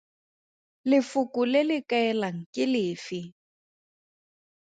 Lefoko le le kaelang ke lefe?